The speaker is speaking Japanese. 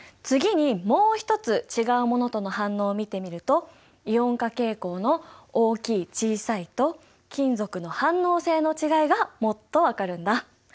次にもう一つ違うものとの反応を見てみるとイオン化傾向の大きい小さいと金属の反応性の違いがもっと分かるんだ。